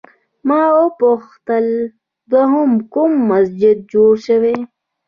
ما وپوښتل دوهم کوم مسجد جوړ شوی؟